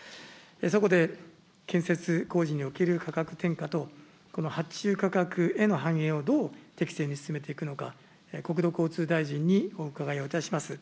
そこで建設工事における価格転嫁と、この発注価格への反映をどう適正に進めていくのか、国土交通大臣にお伺いをいたします。